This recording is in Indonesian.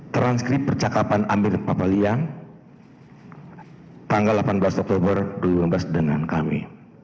transkrip percakapan amir papaliang tanggal delapan belas oktober dua ribu lima belas dengan kami